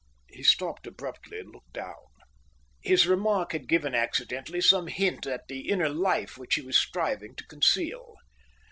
He stopped abruptly and looked down. His remark had given accidentally some hint at the inner life which he was striving to conceal.